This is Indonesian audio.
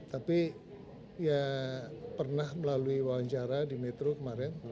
tapi ya pernah melalui wawancara di metro kemarin